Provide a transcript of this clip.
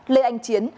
lê anh chiến